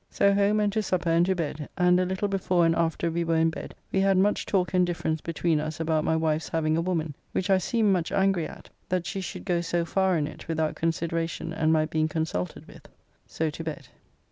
So home and to supper and to bed, and a little before and after we were in bed we had much talk and difference between us about my wife's having a woman, which I seemed much angry at, that she should go so far in it without consideration and my being consulted with. So to bed.